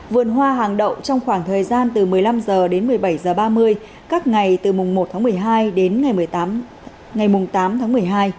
vườn hoa hàng đậu trong khoảng thời gian từ một mươi năm h đến một mươi bảy h ba mươi các ngày từ mùng một tháng một mươi hai đến ngày tám tháng một mươi hai